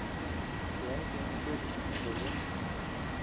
Yeabean jini kueta chi tiï ndoyo.